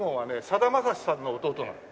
さだまさしさんの弟なの。